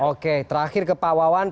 oke terakhir ke pak wawan